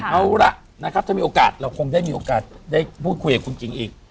เอาละนะครับถ้ามีโอกาสเราคงได้มีโอกาสได้พูดคุยกับคุณกิ่งอีก